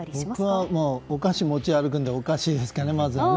僕はお菓子を持ち歩くのでお菓子ですかね、まずは。